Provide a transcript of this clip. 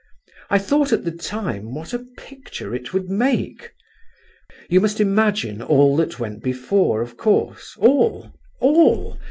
I thought at the time what a picture it would make. You must imagine all that went before, of course, all—all.